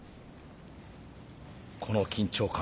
この緊張感